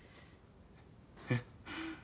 えっ？